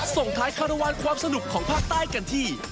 ส่งท้ายคารวาลความสนุกของภาคใต้กันที่